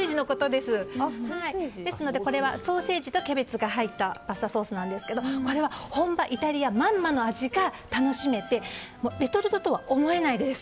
ですので、ソーセージとキャベツが入ったパスタソースなんですけど本場イタリアまんまの味が楽しめてレトルトとは思えないです。